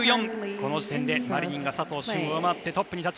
この時点でマリニンが佐藤駿を上回ってトップ。